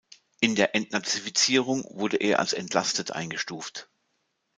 In der Entnazifizierung wurde er als entlastet eingestuft.